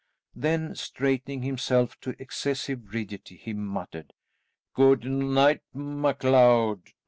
Then straightening himself to excessive rigidity he muttered, "Good night, MacLeod.